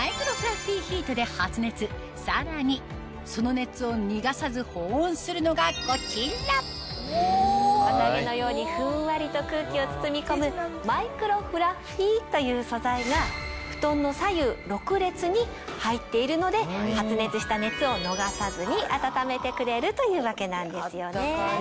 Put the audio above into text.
さらにその熱を逃がさず保温するのがこちら綿毛のようにふんわりと空気を包み込むマイクロフラッフィーという素材が布団の左右６列に入っているので発熱した熱を逃さずに暖めてくれるというわけなんですよね。